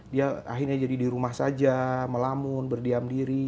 dia akhirnya jadi di rumah saja melamun berdiam diri